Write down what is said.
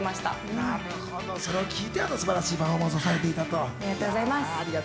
なるほど、それを聴いて、あの素晴らしいパフォーマンスをされていたと。